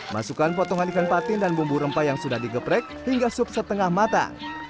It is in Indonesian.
masukkan potongan ikan patin dan bumbu rempah yang sudah digeprek hingga sup setengah matang